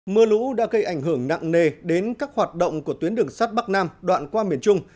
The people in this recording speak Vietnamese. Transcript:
mưa lũ đã gây ảnh hưởng nặng nề đến các hoạt động của tuyến đường sắt bắc nam đoạn qua miền trung